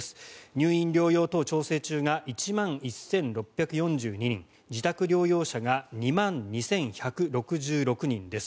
入院・療養等調整中が１万１６４２人自宅療養者が２万２１６６人です。